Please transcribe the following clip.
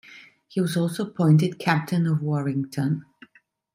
He was also appointed captain of Warrington.